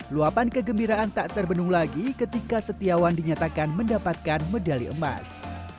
luapan kegembiraan tak terbendung lagi ketika setiawan dinyatakan mendapatkan medali emas